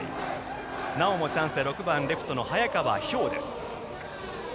なおもチャンスで６番レフトの早川飛翔です。